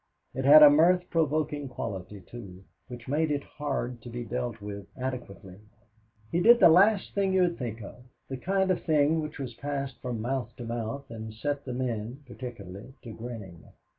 It had a mirth provoking quality, too, which made it hard to be dealt with adequately. He did "the last thing you'd think of" the kind of thing which was passed from mouth to mouth and set the men, particularly, to grinning.